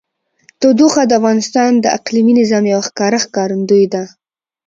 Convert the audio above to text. تودوخه د افغانستان د اقلیمي نظام یوه ښکاره ښکارندوی ده.